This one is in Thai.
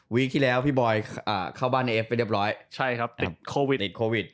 ที่แล้วพี่บอยเข้าบ้านในเอฟไปเรียบร้อยใช่ครับติดโควิดติดโควิด